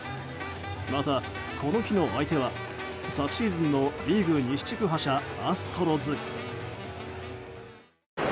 また、この日の相手は昨シーズンのリーグ西地区覇者アストロズ。